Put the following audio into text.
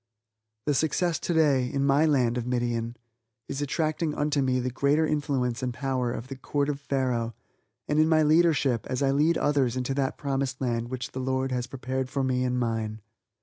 The success today, in my land of Midian, is attracting unto me the greater influence and power in my Court of Pharaoh, and in my leadership, as I lead others into that promised land which the Lord has prepared for me and mine.